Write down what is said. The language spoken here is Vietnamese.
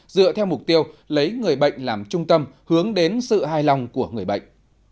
dựa theo mục tiêu lấy người bệnh làm trung tâm hướng đến sự hài lòng của người bệnh